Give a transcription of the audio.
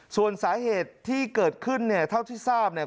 ส่วนสาเหตุที่เกิดขึ้นเนี่ยเท่าที่ทราบเนี่ย